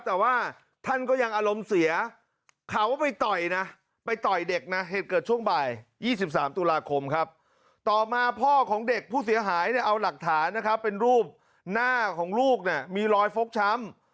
แต่ว่าท่านก็ยังอารมณ์เสียเขาก็ไปต่อยนะไปต่อยเด็กนะเหตุเกิดช่วงบ่าย๒๓ตุลาคมครับต่อมาพ่อของเด็กผู้เสียหายเนี่ยเอาหลักฐานนะครับเป็นรูปหน้าของลูกเนี่ยมีรอยฟกช้ำ